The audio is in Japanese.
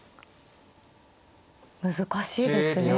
難しいですね。